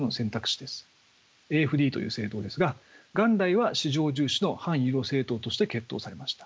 ＡｆＤという政党ですが元来は市場重視の反ユーロ政党として結党されました。